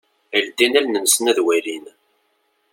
Ldin allen-nsen ad walin.